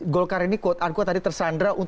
golkar ini kuat ankuat tadi tersendera